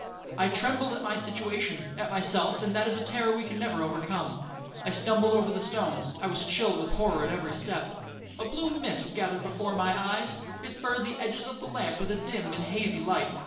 I trembled at my situation,—at myself, and that is a terror we can never overcome. I stumbled over the stones,—I was chilled with horror at every step. A blue mist gathered before my eyes,—it furred the edges of the lamp with a dim and hazy light.